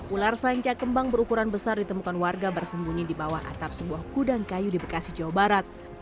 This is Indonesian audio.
ular sanca kembang berukuran besar ditemukan warga bersembunyi di bawah atap sebuah gudang kayu di bekasi jawa barat